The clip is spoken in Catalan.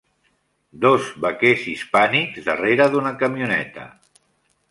Dos vaquers hispànics darrere d'una camioneta.